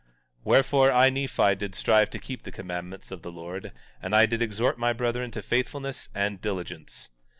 17:15 Wherefore, I, Nephi, did strive to keep the commandments of the Lord, and I did exhort my brethren to faithfulness and diligence.